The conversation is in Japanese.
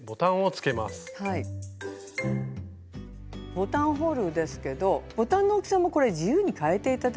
ボタンホールですけどボタンの大きさも自由に変えて頂いてかまいません。